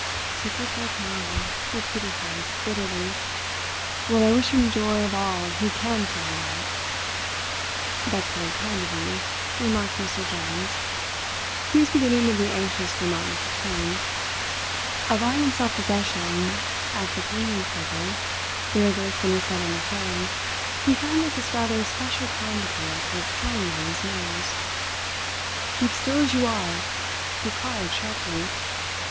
"Secrets like mine!" repeated Heyst bitterly. "Well I wish him joy of all he can ferret out!" "That's very kind of you," remarked Mr. Jones. He was beginning to be anxious for Martin's return. Of iron self possession at the gaming table, fearless in a sudden affray, he found that this rather special kind of work was telling on his nerves. "Keep still as you are!" he cried sharply.